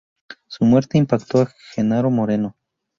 Su muerte impactó a Genaro Moreno.